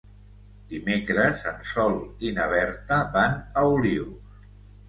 Dimecres en Sol i na Berta van a Olius.